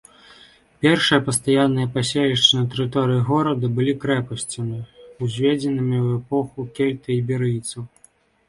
Першыя пастаянныя паселішчы на тэрыторыі горада былі крэпасцямі, узведзенымі ў эпоху кельта-іберыйцаў.